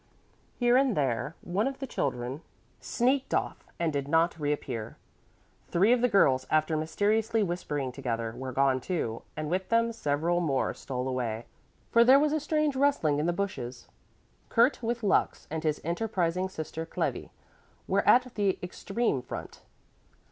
Here and there one of the children sneaked off and did not reappear. Three of the girls, after mysteriously whispering together, were gone, too, and with them several more stole away, for there was a strange rustling in the bushes. Kurt with Lux and his enterprising sister Clevi were at the extreme front.